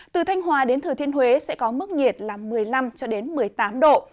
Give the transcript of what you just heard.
từ thanh hòa đến thừa thiên huế sẽ có mức nhiệt là một mươi năm một mươi tám độ